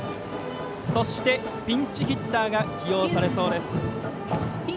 そしてピンチヒッターが起用されそうです。